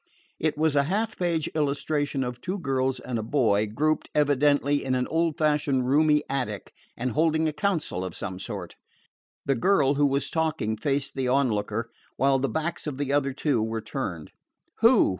It was a half page illustration of two girls and a boy, grouped, evidently, in an old fashioned roomy attic, and holding a council of some sort. The girl who was talking faced the onlooker, while the backs of the other two were turned. "Who?"